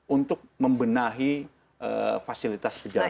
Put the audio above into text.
untuk membenahi fasilitas pejalan kaki